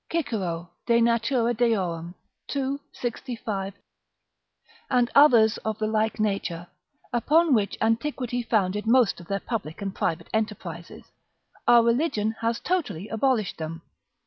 Cicero, De Natura Deor., ii. 65.] and others of the like nature, upon which antiquity founded most of their public and private enterprises, our religion has totally abolished them.